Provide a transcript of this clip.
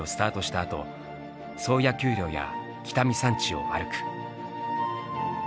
あと宗谷丘陵や北見山地を歩く。